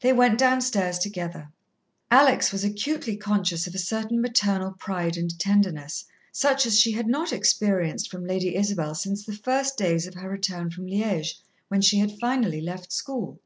They went downstairs together. Alex was acutely conscious of a certain maternal pride and tenderness, such as she had not experienced from Lady Isabel since the first days of her return from Liège, when she had finally left school.